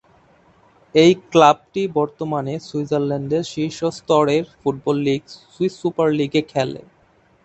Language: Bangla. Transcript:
এই ক্লাবটি বর্তমানে সুইজারল্যান্ডের শীর্ষ স্তরের ফুটবল লীগ সুইস সুপার লীগে খেলে।